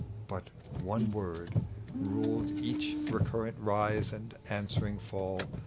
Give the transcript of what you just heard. But one word Ruled each recurrent rise and answering fall.